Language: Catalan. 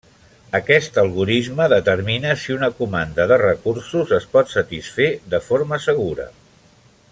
Aquest algorisme determina si una comanda de recursos es pot satisfer de forma segura.